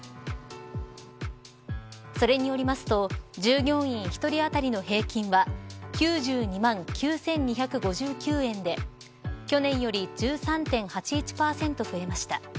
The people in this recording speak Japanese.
それによりますと、従業員１人当たりの平均は９２万９２５９円で去年より１３．８１％増えました。